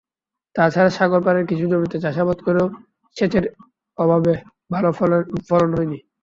তাছাড়া সাগরপাড়ের কিছু জমিতে চাষাবাদ করেও সেচের অভাবে ভালো ফলন হয়নি।